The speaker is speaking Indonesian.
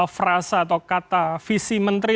frasa atau kata visi menteri